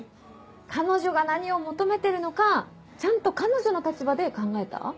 ⁉彼女が何を求めてるのかちゃんと彼女の立場で考えた？